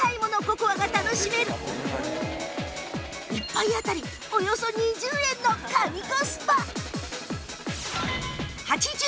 １杯当たりおよそ２０円の神コスパ！